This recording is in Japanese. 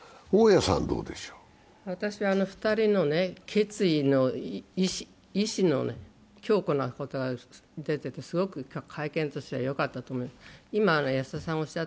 私は２人の決意の意思の強固なことが出ていてすごく会見としては、よかったと思います。